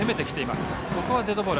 しかし、ここはデッドボール。